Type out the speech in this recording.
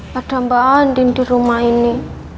padahal andi di rumah ini